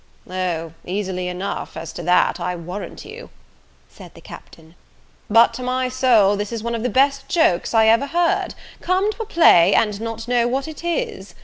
"O, easily enough, as to that, I warrant you," said the Captain; "but, by my soul, this is one of the best jokes I ever heard! Come to a play, and not know what it is!